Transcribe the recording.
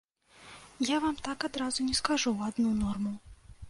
Я вам так адразу не скажу адну норму.